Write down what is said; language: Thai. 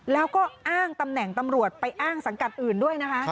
แล้วก็อ้างตำแหน่งตำรวจไปอ้างสังกัดอื่นด้วยนะคะ